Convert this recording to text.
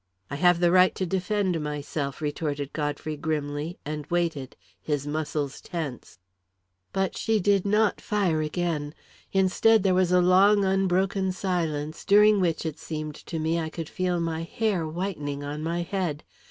"I have the right to defend myself," retorted Godfrey grimly, and waited, his muscles tense. But she did not fire again. Instead, there was a long, unbroken silence, during which, it seemed to me, I could feel my hair whitening on my head.